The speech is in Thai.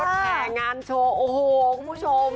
แผ่งานโชว์โอ้โหคุณผู้ชม